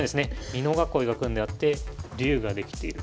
美濃囲いが組んであって竜ができている。